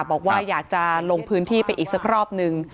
บอกว่าอยากจะลงพื้นที่ไปอีกสักรอบนึง